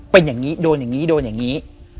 เป็นอย่างนี้โดนอย่างนี้โดนอย่างนี้